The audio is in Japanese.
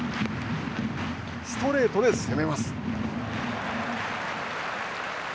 ストレートで攻めます。